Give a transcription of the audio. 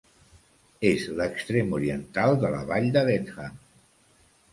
És l'extrem oriental de la vall de Dedham.